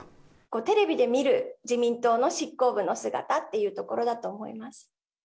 テレビで見る自民党の執行部の姿っていうところだと思います。